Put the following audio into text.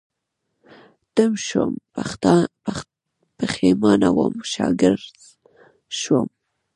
تم شوم، پيښمانه وم، شاګرځ شوم